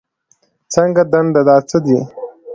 څنګه دنده، دا څه دي؟